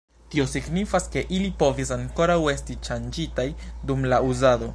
Tio signifas ke ili povis ankoraŭ esti ŝanĝitaj dum la uzado.